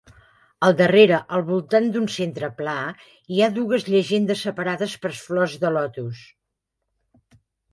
Al darrere, al voltant d'un centre pla, hi ha dues llegendes separades per flors de lotus.